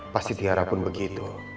pasti tiara pun begitu